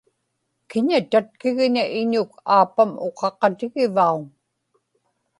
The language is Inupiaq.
kiña tatkigña iñuk aapam uqaqatigivauŋ?